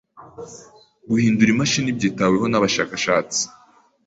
Guhindura imashini byitaweho nabashakashatsi.